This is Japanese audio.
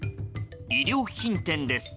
衣料品店です。